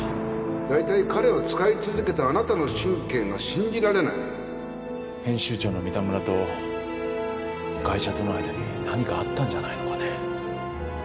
だいたい彼を使い続けたあなたの神経が信じられない編集長の三田村とガイ者との間に何かあったんじゃないのかね。